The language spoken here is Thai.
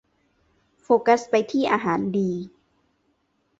โฟกัสไปที่อาหารดี